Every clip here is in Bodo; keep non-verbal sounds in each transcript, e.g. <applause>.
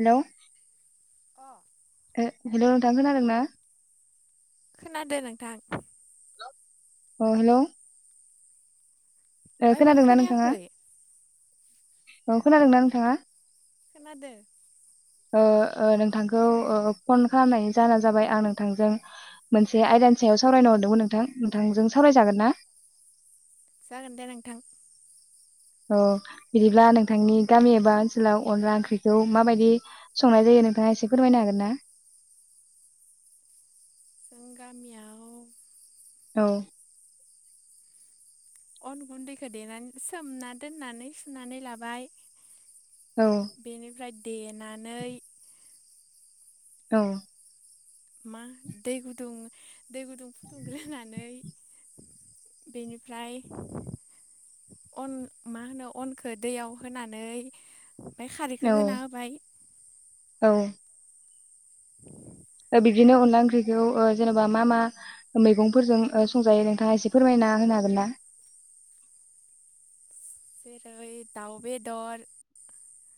हेल' अ ओ हेल' नोंथां खोनादों ना? खोनादो नोंथां। औ हेल' ओइबार खोनादोंना नोंथाङा? खोनायाखै औ खोनादोंना नोंथाङा? खोदों। ओ ओ नोंथांखौ ओ फन खालामनाय जाना जाबाय आं नोंथांजों मोनसे आयदानि सायाव सावरायनो हरदोंमोन नोंथां नोंथांजों सावरायजागोन ना जागोन दे नोंथां औ बिदिब्ला नोंथांनि गामि एबा ओनसोलाव अनला ओंख्रिखौ माबायदि संनाय जायो नोंथाङा एसे फोरमायनो हागोन ना? जों गामिया औ अन गुन्दैखौ देनानै सोमना दोननानै सुनानै लाबाय औ बेनिफ्राय देनानै औ मा दै गुदुं दै गुदुं फुदुंग्रोनानै बेनिफ्राय अन मा होनो अनखौ दैयाव होनानै ओमफफ्राय खारैखौ औ होना होबाय। औ ओ बिदिनो अनला ओंख्रिखौ ओ जेन'बा मा मा मैगंफोरजों ओ संजायो नोंथाङा एसे फोरमायनो ना होनो हागोना? जेरै दाउ बेदर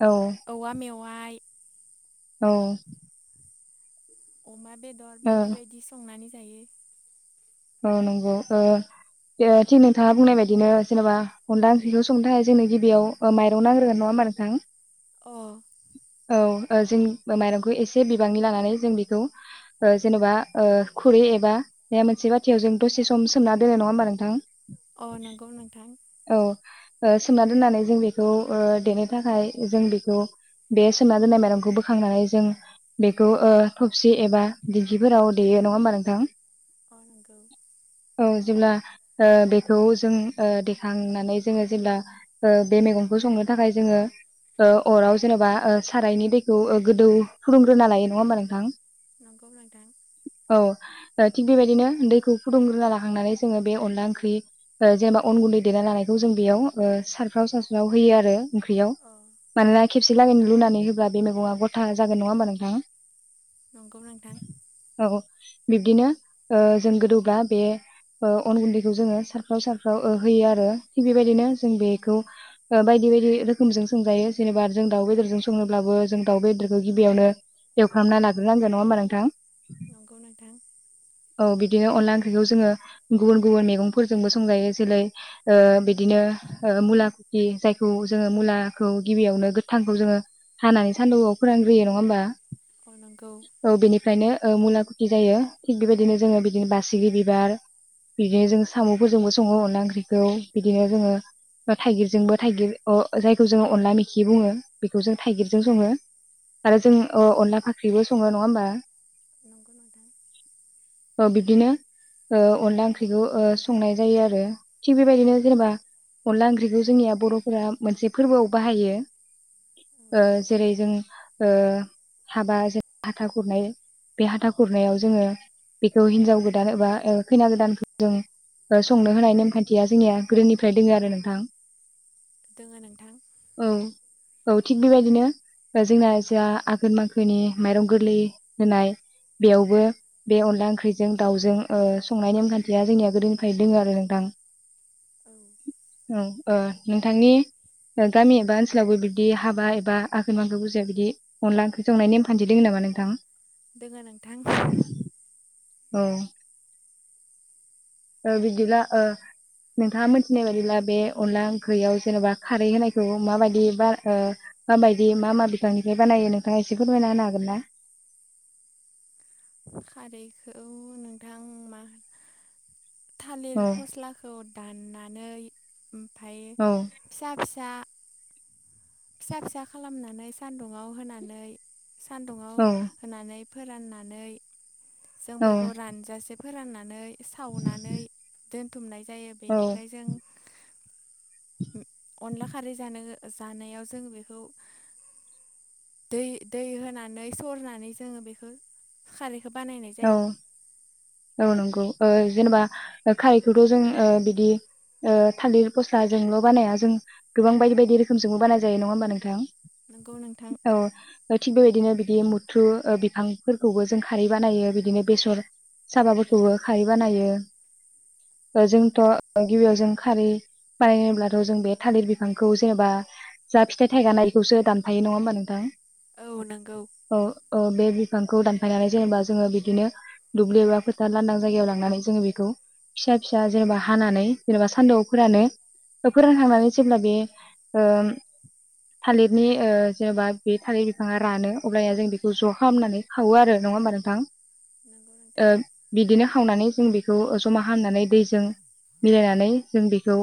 औ औवा मेवाइ औ अमा बेदर बायदि बायदि संनानै जायो औ नंगौ ओ ओ थिग नोंथाङा बुंनाय बायदिनो जेनेबा अनला ओंख्रिखौ संनो थाखाय जोंनो गिबियाव ओ माइरं नांग्रोगोन नङा होम बा नोंथां। अ औ ओ जों माइरंखौ एसे बिबांनि लानानै जों बेखौ ओ जेन'बा ओ खुरै एबा मोनसे बाथियाव जों दसे समोमना दोन नङा होमबा नोंथां। अ नंगौ नोंथां। औ ओ सोमना दोननानै जों बेखौ ओ देनो थाखाय जों बेखौ बे सोमना दोननाय मायरंखौ बोखांनानै जों बेखौ ओ थबसि एबा दिंखिफोराव देयो नङा होमबा नोंथां। अ नंगो औ जेब्ला ओ बेखौ जों ओ देखांनानै जोङो जेब्ला ओ बे मैगं खो संनो थाखाय जोङो ओ अराव जेनेबा ओ सारायनि दैखौ ओ गोदौ फुदुंग्रोना लायो नङा होमबा नोंथां। नंगौ नोंथां। औ ओ थिग बेबायदिनो दैखौ फुदुंग्रोना लाखांनानै जोङो बे अनला ओंख्रि ओ जेनेबा अन गुन्दै देना लानायखौ जों बेयाव ओ सारफ्राव सास्राव होयो आरो ओंख्रियाव। अ मानोना खेबसे लागै लुनानै होब्ला बे मैगङा गथा जागोन नङा होमबा नोंथाङा। नंगौ नोंथां औ बिब्दिनो ओ जों गोदौबा बे ओ अन गुन्दैखौ जोङो सारफ्राव सारफ्राव ओ होयो आरो थिग बेबायदिनो जों बेखौ ओ बायदि बेबायदि रोखोमजों संजायो जेनेबा जों दाउ बेदरजों संनोब्लाबो जों दाउ बेदरखौ गिबियावनो एवफ्रामना लाग्रोनांगोन नङा होमबा नोंथां। नंगौ नोंथां औ बिदिनो अनला ओंख्रिखौ जोङो गुबुन गुबुन मेगंफोरजोंबो संजायो जेरै ओ बिदिनो ओ मुला खुखि जायखौ जोङो मुलाखौ गिबियावनो गोथांखौ जोङो हानानै सानदौआव फोरान ग्रोयो नङा होमबा अ नंगौ औ बेनिफ्रायनो ओ मुलाखुथि जायो थिग बेबायदिनो जोङो बिदिनो बासिगि बिबार बिदिनो जों सामफोरजोंबो सङो अनला ओंख्रिखौ बिदिनो जोङो थाइगिरजोंबो थाइगिर अ जायखौ जोङो अनला मेखि बुङो बेखौ जों औ थाइगिरजों सङो। आरो जों अ नंगौ अनला फाख्रिबो सङो नङा होमबा। नंगौ नोंथां ओ बिब्दिनो ओ अनला ओंख्रिखौ ओ संनाय जायो आरो थिग बेबायदिनो जेनेबा अनला ओंख्रिखौ जोंनिया बर'फोरा मोनसे फोरबोआव बाहायो। ओ जेरै जों ओ हाबा जे हाथा खुरनाय बे हाथा खुरनायाव जोङो बेखौ हिनजाव गोदान एबा ओ खैना गोदानखौ जों संनो होनाय नेमखान्थिया जोङिया गोदोनिफ्राय दोङो आरो नोंथां। दोङो नोंथां। औ औ थिग बेबायदिनो। बा जोंना जोहा आघोन माखोनि माइरं गोरलै होनाय बेयावबो बे अनला ओंख्रिजों दाउजों ओ संनाय नेमखान्थिया जोंनिया गोदोनिफ्रायनो दोङो आरो नोंथां। <inaudible> औ ओ नोंथांनि। ओ गामि एबा ओनसोलावबो बिब्दि हाबा एबा आघोन माखो बुजिया बिदि अनला ओंख्रि संनाय नेम खान्थि दोङो नामा। ना नोंंथां। दोङो नोंथां। औ। ओ बिदिब्ला ओ। नोंथाङा मोनथिनाय बादिब्ला बे अनला ओंख्रियाव जेनबा खारै होनायखौ माबायदि बार ओ। माबायदि मा मा बिफांनिफाय बानायो नोंथाङा एसे फोरमायना होनो हागोन ना। खारैखौ नोंथां मा थालिर औ फस्लाखौ दाननानै ओमफाय औ फिसा फिसा। फिसा फिसा खालामनानै सानदुङाव होनानै सानदुङाव औ होनानै। फोराननानै जों औ बेखौ रानजासे फोराननानै। सावनानै दोनथुमनाय जायो औ बेनिफ्राय जों। अनला खारै जानो जानायाव जों बेखौ दै दै होनानै सरनानै जोङो बेखौ खारै खौ बानायनाय औ जायो। औ नंगौ ओ जेनबा खारैखौथ जों बिदि ओ थालिर फस्लाजोंल बानाया जों गोबां बायदि बायदि रोखोमजोंबो बानाय जायो नङा होमबा नोंथां। नंगौ नोंथां औ थि बै दिनो बिदि मुथु ओ बिफांफोरखौबो जों खारै बानायो बिदिनो बेसर साबाफोरखौबो खारि बानायो। ओ जोंथ गिबियाव जों खारि बानायनोब्लाथ जों बे थालिर बिफांखौ जेनेबा जा फिथाइ थाइगानायखौसो दानफायो नङा होमबा नोंथां। औ नोंगौ। औ बे बिफांखौ दानफायनानै जेनेबा जोङो बिदिनो। दुब्लि एबा फोथार लांदां जायगायाव लांनानै जोङो बेखौ। फिसा फिसा जेनेबा हानानै जेनेबा सानदुंफोरानो। ओ फोरोंखांनानै जेब्ला बे ओ थालिरनि ओ जेनेबा बे थालिर बिफाङा रानो अब्लाया जों बेखौ ज खालामनानै खावो आरो। नङा होमबा नोंथां नंगौ नोंथां ओ बिदिनो खावनानै। जों बेखौ जमा हामनानै दैजों। मिलायनानै जों बेखौ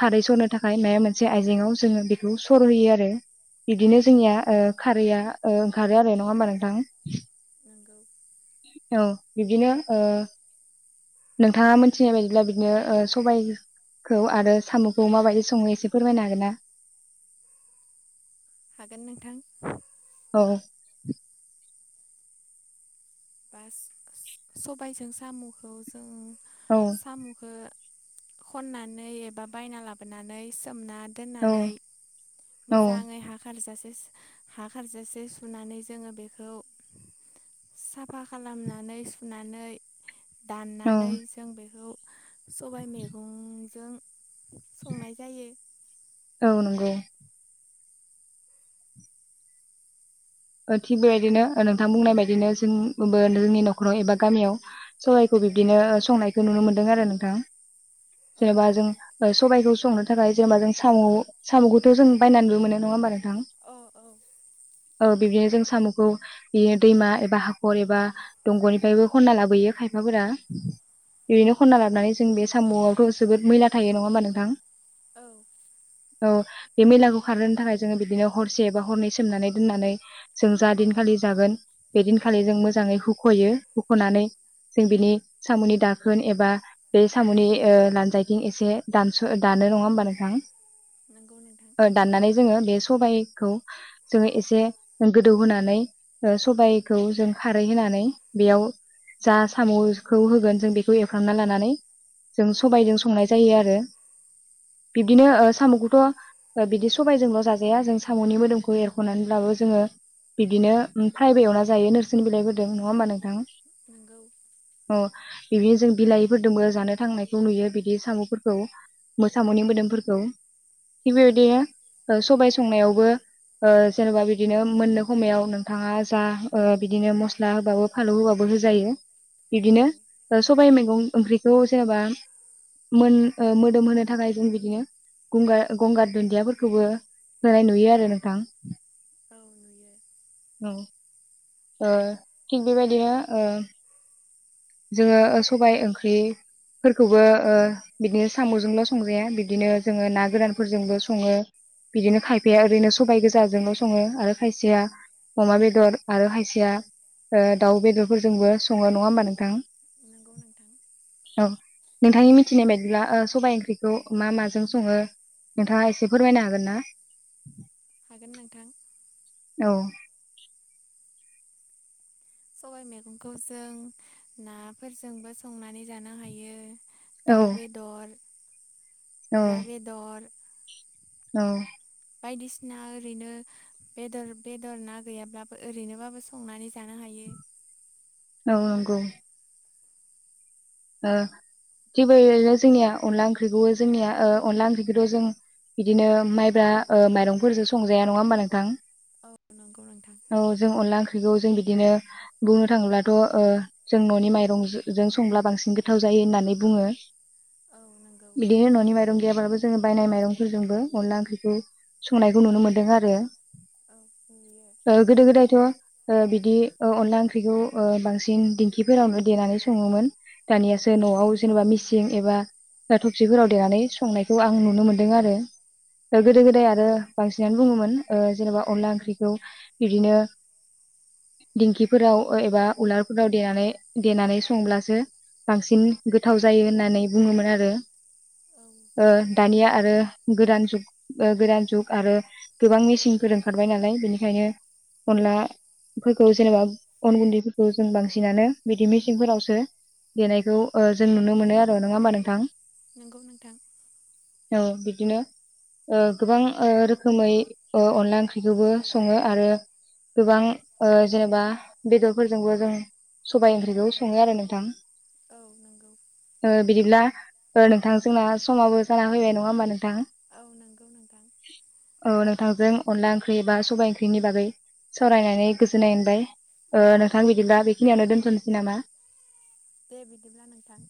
खारै सरनो थाखाय माया मोनसे आइजेंङाव जोङो बेखौ सरहैयो आरो। बिदिनो जोंनिया ओ खारैया ओ ओंखारो आरो नङा होमबा नोंथां। <inaudible> औ बिदिनो ओ। नोंथाङा मिथिनाय बायदिब्ला बिदिनो ओ सबाय खौ आरो साम'खौ माबायदि सङो एसे फोरमायनो हागोन ना। हागोन नोंथां। औ। बास सबायजों साम'खौ जों औ साम'खौ। खननानै एबा बायना लाबोनानै सोमना। औ दोननानै औ मोजाङै हा खारजासे। हा खारजासे सुनानै जोङो बेखौ। साफा खालामनानै सुनानै औ दाननानै जों बे सबाइ मैगंजों संनाय जायो औ नंगौ थिग बेबायदिनो नोंथां बुंनाय बायदिनो जोंबो जोंनि न'खराव एबा गामियाव सबाइखौ बिबदिनो संनायखौ नुनो मोनदों आरो नोंथां औ जेनेबा जों नंगौ सबायखौ संनो था थाखाय जेनेबा जों साम' साम'खौथ' जों बायनानैबो मोन नङा होनबा नोंथां अ औ ओ बिब्दिनो जों साम'खौ बियो दैमा एबा हाखर एबा दंग'निफ्रायबो खनना लाबोयो खायफा फोरा ओरैनो खनना नंगौ लाबानै नोंथां जों बे साम'आवथ' जोबोद मैला थायो नङा होमबा नोंथां औ औ बे मैलाखौ खारहोनो थाखाय जोङो बिदिनो हरसे एबा हरनै सोमनानै दोननानै जों जा दिनखालि जागोन बे दिनखालि जों मोजाङै हुख'यो हुख'नानै जों बिनि साम'नि दाखोन एबा बे साम'नि ओ लानजायथिं एसे दानस' दान नो होमबा नोंथां नांगौ नोंथां ओ दाननानै जोङो बे सबायखौ जोङो एसे गोदौहोनानै ओ सबायाइखौ जों खारै होनानै बेयाव जा साम'खौ होगोन जों बेखौ एवफ्रामना लानानै जों औ सबायजों संनाय जायो आरो बिब्दिनो नंगौ ओ साम'खौथ' ओ बिदि सबायजोंल' जाजाया जों साम'नि मोदोमखौ एरख'नानैब्लाबो जोङो बिदिनो प्राइबो एवना जायो नोरसिं बिलाइबोदों नङा होमबा नोंथां नोंगौ औ बिदिनो जों बिलाहिफोरदोंबो जानो थांनायखौ नुयो बिदि साम'फोरखौ मो साम'नि मोदोमफोरखौ थिग औ बेबायदिनो सबाय संनायावबो ओ जेनेबा बिदिनो मोननो खमायाव नोंथाङा जा बिदिनो मस्ला होबाबो फानलौ होबाबो होजायो बिदिनो औ ओ सबाय मैगं ओंख्रिखौ जेनेबा मोन ओ मोदोम होनो थाखाय जों बिदिनो गंगार - गंगार दुन्दियाफोरखौबो होनाय नुयो आरो नोंथां औ नुयो औ ओ थिग बेबायदिनो ओ जोङो सबाय ओंख्रि फोरखौबो ओ बिदिनो साम'जोंल' संजाया बिदिनो जोङो ना गोरानफोरजोंबो सङो बिदिनो खायफाया ओरैनो सबाइ गोजाजोंल' सङो आरो खायसेया अमा बेदर आरो खायसेया ओ दाउ बेदरफोरजोंबो सङो नङा होमबा नोंथां नंगौ नोंथां औ नोंथांनि मिथिनाय बायदिब्ला सबाय ओंख्रिखौ मा माजों सङो नोंथाङा एसे फोरमायनो हागोन ना हागोन नोंथां औ सबाय मैगंखौ जों नाफोरजोंबो संनानै जानो हायो दाव औ बेदर औ अमा बेदर औ बायदिसिना ओरैनो बेदर - बेदर ना गैयाब्लाबो ओरैनोबाबो संनानै जानो हायो बे औ नंगौ ओ जेबो ओरैनो जोंनिया अनला ओंख्रिखौ जोंनिया अनला ओंख्रिखौथ' जों बिदिनो माइब्रा ओ‌ माइरंफोरजों संजाया नङा होमबा नोंथां औ नंगौ नोंथां औ जों अनला ओंख्रि ख्रिखौ जों बिदिनो बुंनो थाङोब्लाथ' ओ जों न'नि माइरं जों संब्ला बांसिन गोथाव जायो होननानै बुङो औ नंगौ बिदिनो न'नि माइरं गैयाब्लालाबो जोङो बायनाय माइरंफोरजोंबो अनला ओंख्रिखौ संनायखौ नुनो मोन्दों आरो औ नुयो ओ गोदो गोदायथ' ओ बिदि ओ अनला ओंख्रिखौ ओ बांसिन दिंखिफोरावनो देनानै सङोमोन दानियासो औ न'आव जेनेबा मिस थिं एबा दा थबसिफोराव देनानै संनायखौ आं नुनो मोन्दों आरो ओ गोदो गोदाय आरो नोंगौ बांसिनानो बुङोमोन ओ जेनेबा अनला ओंख्रिखौ बिदिनो दिंखिफोराव ओ‌ एबा उलारफोराव दनानै देनानै संब्लासो बांसिन गोथाव जायो होननानै बुङोमोन आरो औ ओ‌ दानिया आरो गोदान जु गोदान जुग आरो गोबां मेसिनफोर ओंखारबाय नालाय बेनिखायनो अनला फोरखौ जेनेबा अन गुन्दैफोरखौ जों बांसिनानो बिदि मेसिंफोरावसो देनायखौ ओ‌ जों नुनो मोनो आरो नङा होमबा नोंथां नंगौ नोंथां औ बिदिनो ओ‌ गोबां ओ रोखोमै ओ अनला ओंख्रिखौबो सङो आरो गोबां ओ जेनेबा बेदरफोरजोंबो जों सबाय ओंख्रिखौ सङो आरो नोंथां औ नंगौ ओ बिदिब्ला ओ नोंथां जोंना समाबो जाना फैबाय नङा होमबा नोंथां औ नंगौ नोंथां औ नोंथांजों अनला ओंख्रि बा सबाय ओंख्रिनि बागै सावरायनानै गोजोननाय मोनबाय ओ औ नोंथां बिदिब्ला बेखिनियावनो दोनथ'नोसै नामा दे बिदिब्ला नोंथां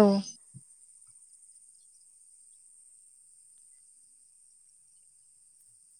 औ